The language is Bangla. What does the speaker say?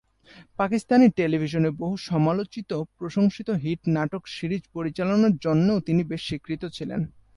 পাকিস্তানি টেলিভিশনে বহু সমালোচিত প্রশংসিত হিট নাটক সিরিজ পরিচালনার জন্যও তিনি বেশ স্বীকৃত ছিলেন।